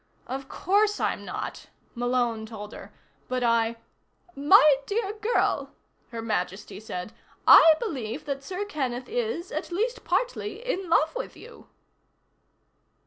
"Of course I'm not," Malone told her. "But I " "My dear girl," Her Majesty said, "I believe that Sir Kenneth is, at least partly, in love with you."